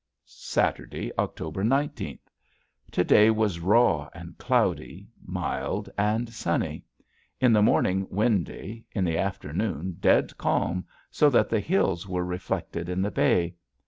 Saturday, October nineteenth. To day was raw and cloudy, mild and sunny; in the morning windy, in the afternoon dead calm so that the hills were reflected in the bay.